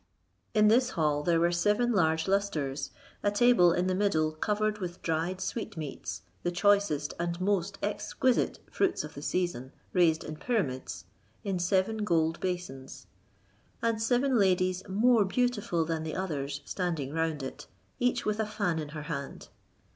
In this hall there were seven large lustres, a table in the middle covered with dried sweetmeats, the choicest and most exquisite fruits of the season, raised in pyramids, in seven gold basins; and seven ladies more beautiful than the others standing round it, each with a fan in her hand.